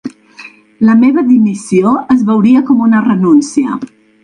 La meva dimissió es veuria com una renúncia.